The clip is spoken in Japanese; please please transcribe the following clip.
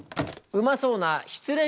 うまそうな「失恋」